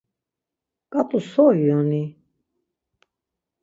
Ǩat̆u so iyoni?